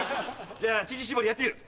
じゃあ乳搾りやってみる？